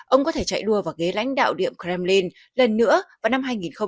ông có thể chạy đua vào ghế lãnh đạo điệm kremlin lần nữa vào năm hai nghìn ba mươi